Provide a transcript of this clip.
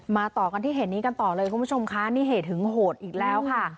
ต่อกันที่เหตุนี้กันต่อเลยคุณผู้ชมคะนี่เหตุหึงโหดอีกแล้วค่ะ